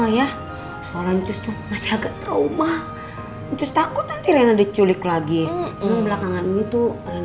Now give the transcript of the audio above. ya soalnya itu masih agak trauma takut nanti dia diculik lagi belakangan itu